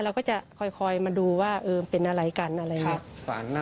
เราก็จะคอยมาดูว่าเป็นอะไรกันอะไรอย่างนี้